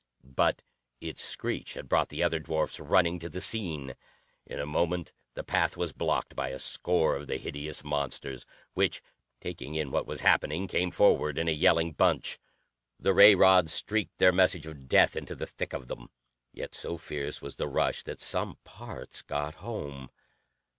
But its screech had brought the other dwarfs running to the scene. In a moment the path was blocked by a score of the hideous monsters, which, taking in what was happening, came forward in a yelling bunch. The ray rods streaked their message of death into the thick of them. Yet so fierce was the rush that some parts got home.